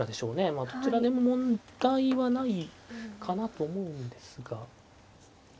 まあどちらでも問題はないかなと思うんですが。